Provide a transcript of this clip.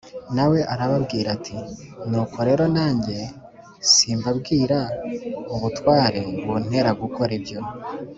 Na we arababwira ati “Nuko rero nanjye simbabwira ubutware buntera gukora ibyo